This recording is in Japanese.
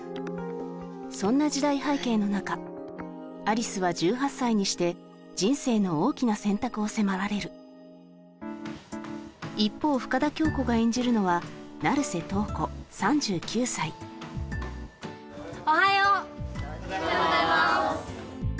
そんな時代背景の中有栖は１８歳にして人生の大きな選択を迫られる一方深田恭子が演じるのはおはようおはようございます